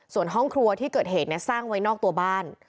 ส่วนห้องครัวที่เกิดเหตุสร้างไว้นอกตัวบ้าน